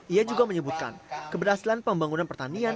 ia juga menyebutkan keberhasilan pembangunan pertanian